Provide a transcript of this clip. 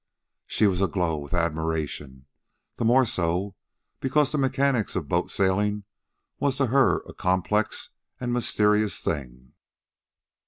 She was aglow with admiration, the more so because the mechanics of boat sailing was to her a complex and mysterious thing.